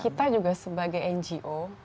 kita juga sebagai ngo